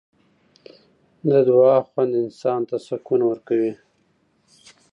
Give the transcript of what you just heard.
د دعا خوند انسان ته سکون ورکوي.